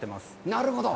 なるほど。